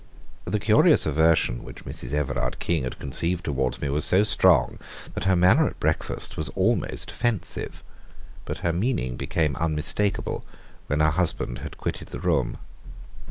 The curious aversion which Mrs. Everard King had conceived towards me was so strong, that her manner at breakfast was almost offensive. But her meaning became unmistakable when her husband had quitted the room.